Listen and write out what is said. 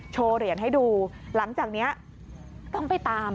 โชว์เหรียญให้ดูหลังจากนี้ต้องไปตาม